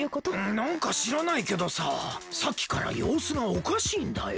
なんかしらないけどささっきからようすがおかしいんだよ。